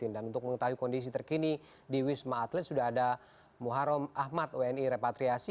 dan untuk mengetahui kondisi terkini di wisma atlet sudah ada muharrem ahmad wni repatriasi